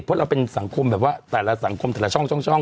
เพราะเราเป็นสังคมแบบว่าแต่ละสังคมแต่ละช่อง